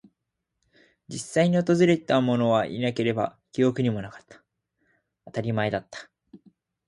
実際に訪れたものはいなければ、記憶にもなかった。当たり前だった。